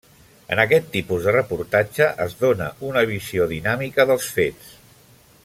En aquest tipus de reportatge es dóna una visió dinàmica dels fets.